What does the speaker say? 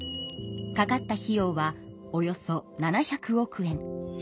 かかった費用はおよそ７００億円。